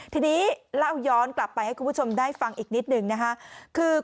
ทีนี้เล่าย้อนกลับไปให้คุณผู้ชมได้ฟังอีกนิดหนึ่งนะคะ